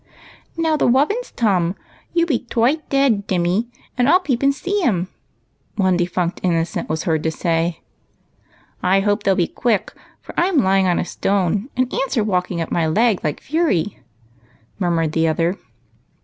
" Now the wobins tum. You be twite dead, Dimmy, and I '11 peep and see 'em," one defunct innocent was heard to say. A HAPPY BIRTHDAY. 157 " I hope they '11 be quick, for I 'm lying on a stone, and ants are walking up my leg like fury," murmured the other.